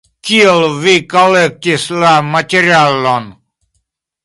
Kiel vi kolektis la materialon?